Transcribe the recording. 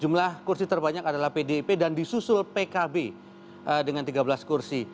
jumlah kursi terbanyak adalah pdip dan disusul pkb dengan tiga belas kursi